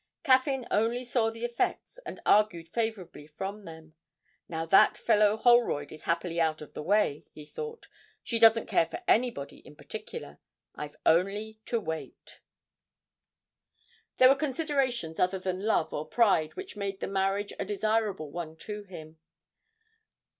Caffyn only saw the effects, and argued favourably from them. 'Now that fellow Holroyd is happily out of the way,' he thought, 'she doesn't care for anybody in particular. I've only to wait.' There were considerations other than love or pride which made the marriage a desirable one to him.